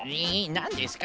なんですか？